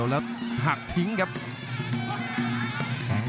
รับทราบบรรดาศักดิ์